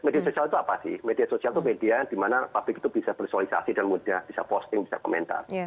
media sosial itu apa sih media sosial itu media dimana publik itu bisa bersualisasi dan mudah bisa posting bisa komentar